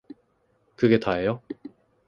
그게 다예요?